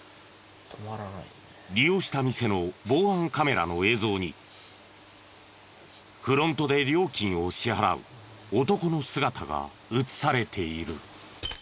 利用した店の防犯カメラの映像にフロントで料金を支払う男の姿が映されている。